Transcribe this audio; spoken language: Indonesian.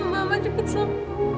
mama cepet sabar